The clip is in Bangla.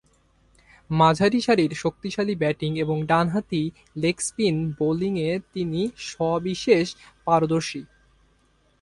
মাঝারি সারির শক্তিশালী ব্যাটিং ও ডানহাতি লেগ-স্পিন বোলিংয়ে তিনি সবিশেষ পারদর্শী।